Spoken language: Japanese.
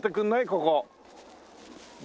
ここ。